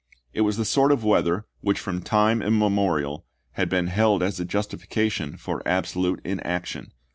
It was the sort of weather which from time immemorial had been held as a justifica tion for absolute inaction.